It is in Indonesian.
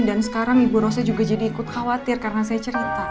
dan sekarang ibu rose juga jadi ikut khawatir karena saya cerita